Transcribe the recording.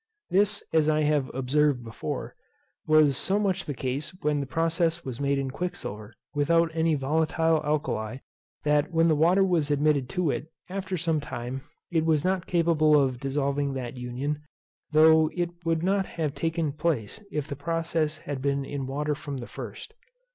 This, as I have observed before, was so much the case when the process was made in quicksilver, without any volatile alkali, that when water was admitted to it, after some time, it was not capable of dissolving that union, tho' it would not have taken place if the process had been in water from the first.